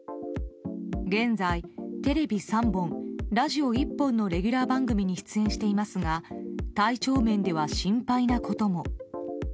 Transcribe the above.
現在、テレビ３本、ラジオ１本のレギュラー番組に出演していますが体調面では心配なことも。